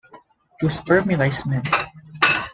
To 'spermulise' men.